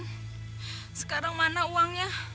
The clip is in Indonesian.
nah sekarang mana uangnya